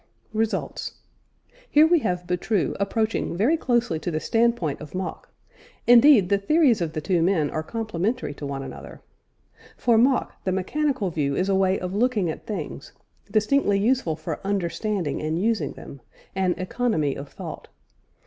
RESULTS. Here we have Boutroux approaching very closely to the standpoint of Mach; indeed the theories of the two men are complementary to one another. For Mach, the mechanical view is a way of looking at things, distinctly useful for understanding and using them an "economy of thought."